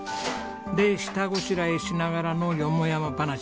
で下ごしらえしながらのよもやま話。